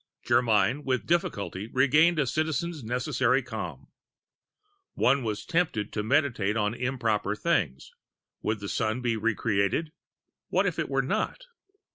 Germyn with difficulty retained a Citizen's necessary calm. One was tempted to meditate on improper things: Would the Sun be re created? What if it were not?